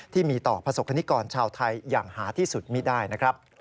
ที่มีต่อประสบคณิกรชาวไทยอย่างหาที่สุดไม่ได้นะครับ